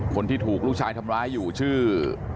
คนที่ถูกลูกชายทำร้ายอยู่ชื่อ